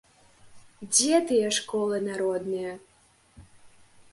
Дзе тыя школы народныя?